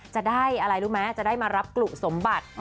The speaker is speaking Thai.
จะได้อะไรรู้ไหมจะได้มารับกลุสมบัติ